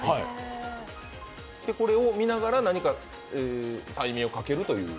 これを見ながら何か催眠をかけるという？